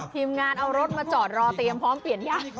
ทีมงานเอารถมาจอดรอเตรียมพร้อมเปลี่ยนยาง